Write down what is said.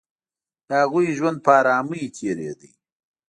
د هغوی ژوند په آرامۍ تېرېده